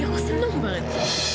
aku seneng banget